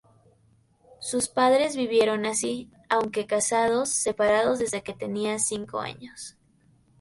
Sus padres vivieron así, aunque casados, separados desde que tenía cinco años.